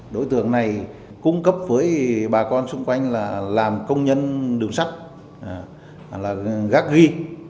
đối tượng này cung cấp với bà con xung quanh là làm công nhân đường sắt là gác ghi